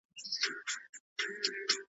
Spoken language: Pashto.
څوک ابدال یو څوک اوتاد څوک نقیبان یو .